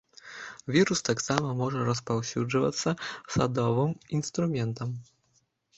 Вірус таксама можа распаўсюджвацца садовым інструментам.